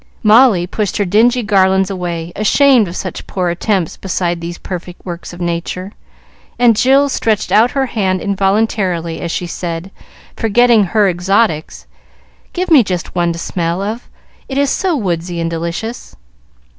Molly pushed her dingy garlands away, ashamed of such poor attempts beside these perfect works of nature, and Jill stretched out her hand involuntarily, as she said, forgetting her exotics, "Give me just one to smell of, it is so woodsy and delicious."